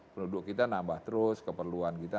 penduduk kita nambah terus keperluan kita